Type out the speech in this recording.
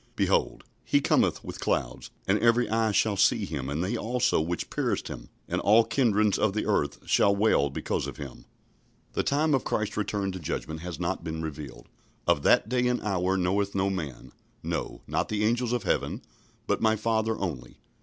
" "Behold, he cometh with clouds; and every eye shall see him, and they also which pierced him: and all kindreds of the earth shall wail because of him." The time of Christ's return to judgment has not been revealed. "Of that day and hour knoweth no man, no, not the angels of heaven, but my Father only."